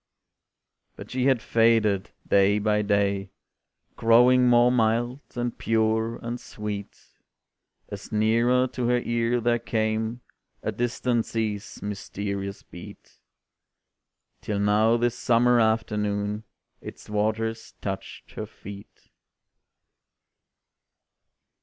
But she had faded, day by day, Growing more mild, and pure, and sweet, As nearer to her ear there came A distant sea's mysterious beat, Till now this summer afternoon, Its waters touched her feet.